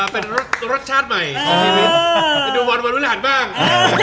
เป็นรสชาติใหม่ไปดูวันวันวิหารบ้าง